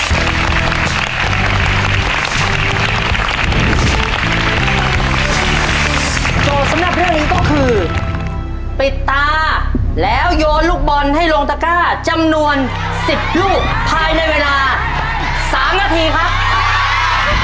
โจทย์สำหรับเรื่องนี้ก็คือปิดตาแล้วโยนลูกบอลให้ลงตะก้าจำนวน๑๐ลูกภายในเวลา๓นาทีครับ